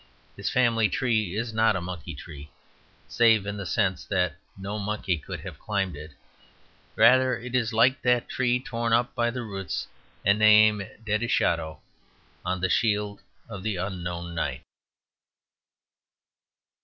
His family tree is not a monkey tree, save in the sense that no monkey could have climbed it; rather it is like that tree torn up by the roots and named "Dedischado," on the shield of the unknown knight.